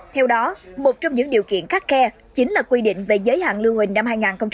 theo đó một trong những điều kiện khắc khe chính là quy định về giới hạn lưu hình năm hai nghìn hai mươi